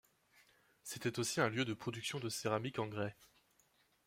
C'était aussi un lieu de production de céramique en grès.